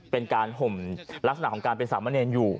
เป็นการห่มลักษณะของการเป็นสามเณรอยู่